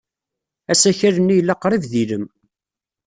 Asakal-nni yella qrib d ilem.